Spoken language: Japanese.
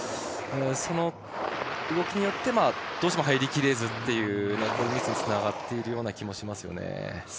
その動きによってどうしても入りきれずこういうミスにつながっている気もしますよね。